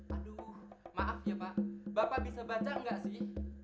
aduh maaf ya pak bapak bisa baca nggak sih